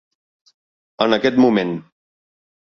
En aquest moment.